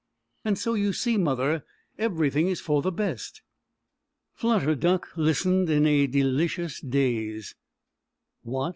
"So you see, mother, everything is for the best." Flutter Duck listened in a delicious daze. What!